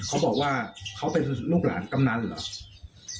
เขาบอกว่าเขาเป็นลูกหลานกำนันเหรอ